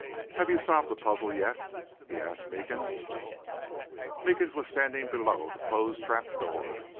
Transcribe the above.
Have you solved the puzzle yet?" he asked Meekins. Meekins was standing below the closed trap door.